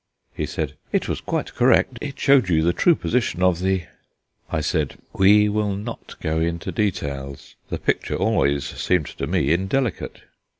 He said: "It was quite correct; it showed you the true position of the " I said: "We will not go into details; the picture always seemed to me indelicate."